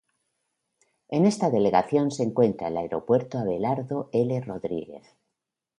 En esta delegación se encuentra el Aeropuerto Abelardo L. Rodríguez.